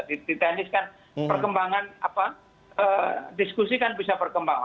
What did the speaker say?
di teknis kan perkembangan diskusi kan bisa berkembang